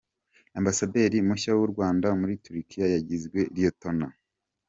Ambasaderi mushya w’u Rwanda muri Turkiya yagizwe Lt.